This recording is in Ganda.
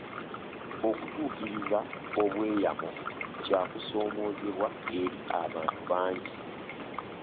Okutuukiriza obweyamo kya kusoomoozebwa eri abantu bangi.